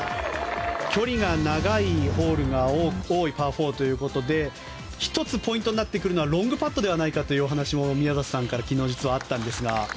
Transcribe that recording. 距離が長いホールが多いパー４ということで１つ、ポイントになってくるのはロングパットではないかとお話も宮里さんから昨日、実はあったんですが。